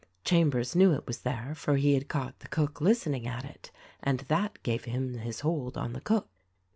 (Chambers knew it was there, for he had caught the cook listening at it— and that gave him his hold on the cook.)